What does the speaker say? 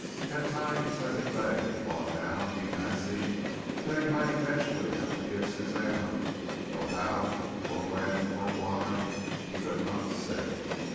At times as he lay and thought now he fancied that he might eventually have to give Suzanne up, though how, or when, or why, he could not say.